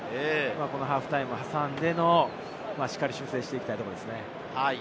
ハーフタイムを挟んで、しっかり修正していきたいところですね。